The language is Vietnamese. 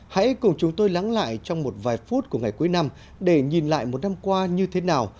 hãy cùng chúng tôi lắng lại trong một vài phút của ngày cuối năm để nhìn lại một năm qua như thế nào